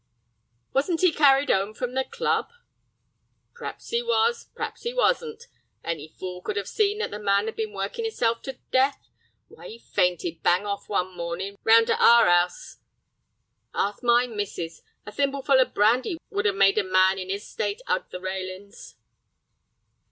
"Wasn't 'e carried 'ome from the club?" "P'r'aps 'e was, p'r'aps 'e wasn't. Any fool could 'ave seen that the man 'ad been workin' hisself to death. Why, he fainted bang off one mornin', round at our 'ouse. Ask my missus. A thimbleful o' brandy would 'ave made a man in 'is state 'ug the railin's."